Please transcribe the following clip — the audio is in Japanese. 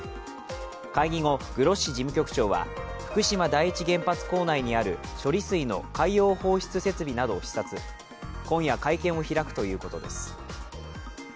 会議後、グロッシ事務局長は福島第一原発構内にある処理水の海洋放出設備などを視察、今夜会見を開くということです。